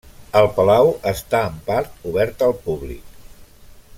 El palau està en part obert al públic.